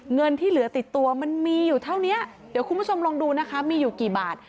เงินที่เหลือติดตัวมันมีอยู่เท่านี้เดี๋ยวคุณผู้ชมลองดูนะคะมีอยู่กี่บาท